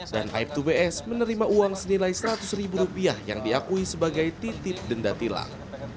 dan aib dua bs menerima uang senilai seratus ribu rupiah yang diakui sebagai titip denda tilang